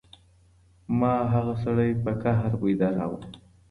ما هغه سړی په قهر بېداوه.